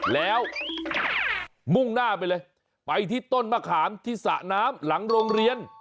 แล้วมุ่งหน้าไปเลยไปที่ต้นมะขามที่สระน้ำหลังโรงเรียน